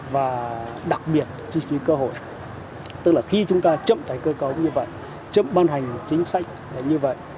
và đặc biệt chi phí cơ hội tức là khi chúng ta chậm tái cơ cấu như vậy chậm ban hành chính sách như vậy